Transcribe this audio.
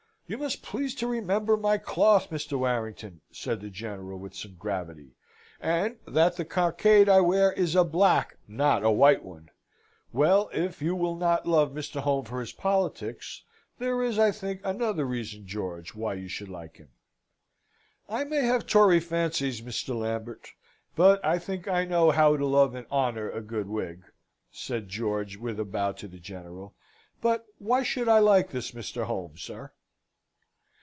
you must please to remember my cloth, Mr. Warrington," said the General, with some gravity; "and that the cockade I wear is a black, not a white one! Well, if you will not love Mr. Home for his politics, there is, I think, another reason, George, why you should like him." "I may have Tory fancies, Mr. Lambert, but I think I know how to love and honour a good Whig," said George, with a bow to the General: "but why should I like this Mr. Home, sir?"